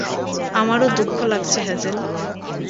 আমারও দুঃখ লাগছে, হ্যাজেল।